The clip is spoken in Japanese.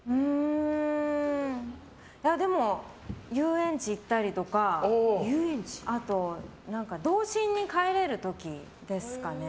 でも、遊園地行ったりとかあと童心に返れる時ですかね。